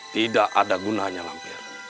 tidak ada gunanya lampir